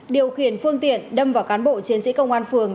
điều khiển phương tiện đâm vào cán bộ chiến sĩ công an phường